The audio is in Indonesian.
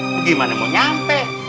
lu gimana mau nyampe